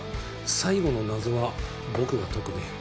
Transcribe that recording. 最後の謎は僕が解くね。